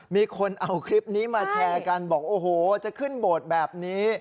มีคนเอาคลิปนี้มาแชร์กันบอกโอ้โหจะขึ้นโบสถ์แบบนี้